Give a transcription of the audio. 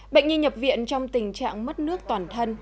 bệnh nhi nhập viện trong tình trạng mất nước toàn thân